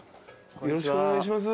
よろしくお願いします。